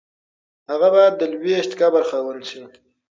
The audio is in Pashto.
هغه باید د لویشت قبر خاوند شي.